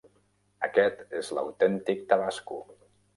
Aquest és l'autèntic tabasco.